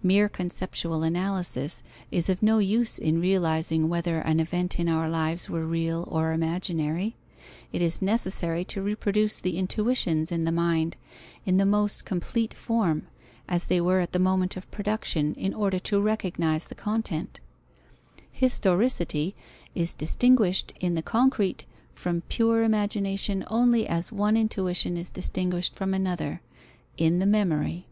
Mere conceptual analysis is of no use in realizing whether an event in our lives were real or imaginary. It is necessary to reproduce the intuitions in the mind in the most complete form, as they were at the moment of production, in order to recognize the content. Historicity is distinguished in the concrete from pure imagination only as one intuition is distinguished from another: in the memory.